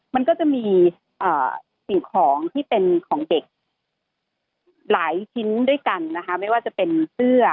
มันก็จะมีสิ่งของที่เป็นของเด็กหลายชิ้นด้วยกันนะคะไม่ว่าจะเป็นเสื้อ